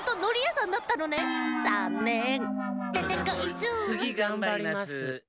つぎがんばります。